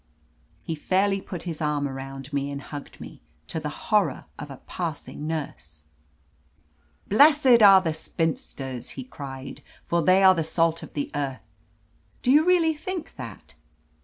He fairly put his arm around me and hugged me, to the horror of a passing nurse. "Blessed are the spinsters!" he cried, "for they are the salt of the earth ! Do you really think that?"